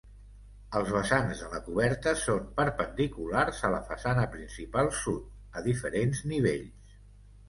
Els vessants de la coberta són perpendiculars a la façana principal sud, a diferents nivells.